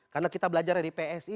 karena kita belajar dari psi